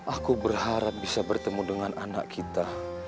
aku berharap bisa bertemu dengan anak kita